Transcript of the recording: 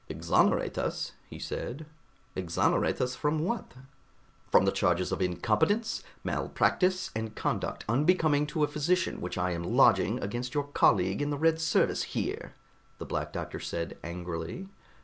"Exonerate us?" he said. "Exonerate us from what?" "From the charges of incompetence, malpractice and conduct unbecoming to a physician which I am lodging against your colleague in the Red Service here," the Black Doctor said angrily.